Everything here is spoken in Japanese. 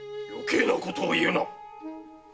よけいなことを言うな！